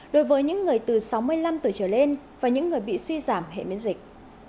đối với những người từ sáu mươi năm tuổi trở lên và những người bị suy giảm hệ miễn dịch